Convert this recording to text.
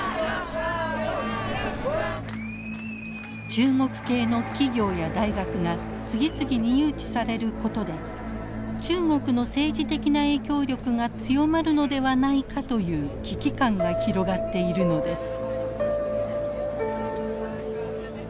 中国系の企業や大学が次々に誘致されることで中国の政治的な影響力が強まるのではないかという危機感が広がっているのです。